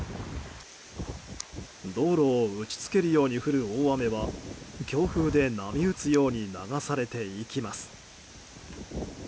道路を打ち付けるように降る大雨は強風で波打つように流されていきます。